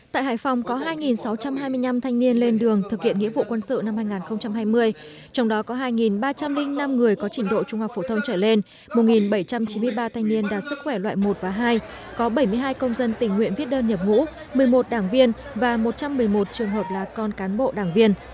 tại hải phòng có hai sáu trăm hai mươi năm thanh niên lên đường thực hiện nghĩa vụ quân sự năm hai nghìn hai mươi trong đó có hai ba trăm linh năm người có trình độ trung học phổ thông trở lên một bảy trăm chín mươi ba thanh niên đạt sức khỏe loại một và hai có bảy mươi hai công dân tình nguyện viết đơn nhập ngũ một mươi một đảng viên và một trăm một mươi một trường hợp là con cán bộ đảng viên